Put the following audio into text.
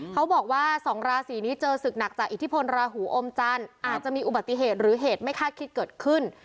เขาบอกว่าสองราศีนี้เจอศึกหนักจากอิทธิพลราหูอมจันทร์อาจจะมีอุบัติเหตุหรือเหตุไม่คาดคิดเกิดขึ้น